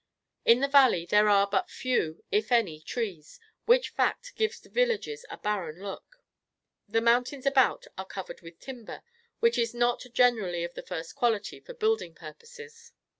In the valley, there are but few, if any, trees, which fact gives the villages a barren look. The mountains about are covered with timber, which is not generally of the first quality for building purposes.